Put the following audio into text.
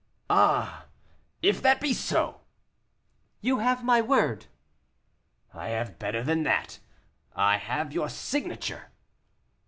"Ah! if that be so " "You have my word." "I have better than that, I have your signature."